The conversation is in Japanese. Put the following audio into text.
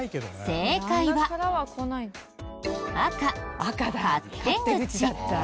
正解は赤勝手口。